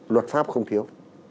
luật pháp không thiếu